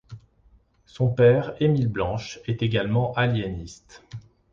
Son père, Émile Blanche, est également aliéniste.